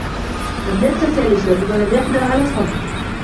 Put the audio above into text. لَمْ يَتَّسِعْ لِسِرٍّ ، وَلَمْ يَقْدِرْ عَلَى صَبْرٍ